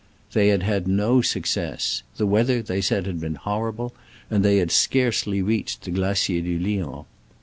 They had had no success. The weather, thev said, had been horrible, and they .had scarcely reached the Glacier du Lion.